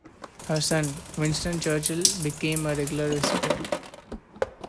Her son, Winston Churchill, became a regular visitor.